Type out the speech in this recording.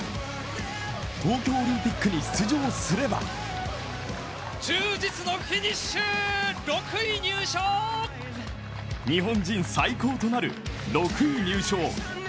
東京オリンピックに出場すれば日本人最高となる６位入賞。